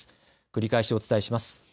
繰り返しお伝えします。